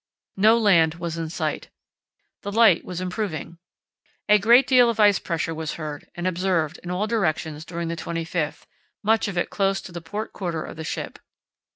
No land was in sight. The light was improving. A great deal of ice pressure was heard and observed in all directions during the 25th, much of it close to the port quarter of the ship.